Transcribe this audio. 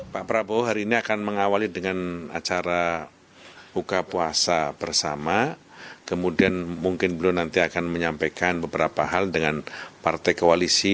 pak prabowo hari ini akan mengawali dengan acara buka puasa bersama kemudian mungkin beliau nanti akan menyampaikan beberapa hal dengan partai koalisi